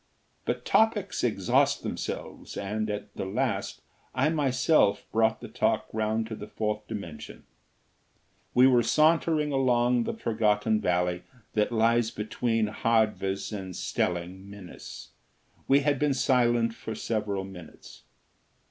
But topics exhaust themselves and, at the last, I myself brought the talk round to the Fourth Dimension. We were sauntering along the forgotten valley that lies between Hardves and Stelling Minnis; we had been silent for several minutes.